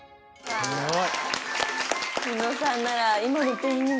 すごい。